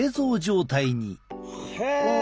へえ。